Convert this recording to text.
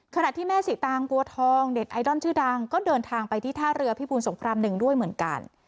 ขณะที่แม่สีตางบัวทองเด็ดไอดอลชื่อดังก็เดินทางไปที่ท่าเรือพิบูรสงคราม๑ด้วยเหมือนกัน